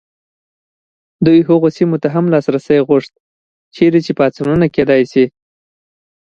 دوی هغو سیمو ته هم لاسرسی غوښت چیرې چې پاڅونونه کېدای شي.